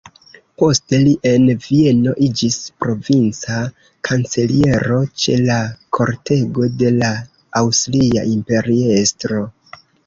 Poste li en Vieno iĝis provinca kanceliero ĉe la kortego de la aŭstria imperiestro.